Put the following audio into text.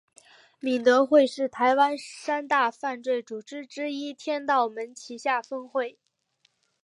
敏德会是台湾三大犯罪组织之一天道盟旗下分会。